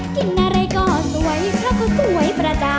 กินอะไรก็สวยเพราะก็สวยประจำ